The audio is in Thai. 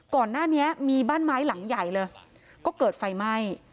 ก่อนหน้านี้มีบ้านไม้หลังใหญ่เลยก็เกิดไฟไหม้